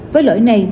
với lỗi này